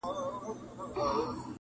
آمد که نه وي خېر دے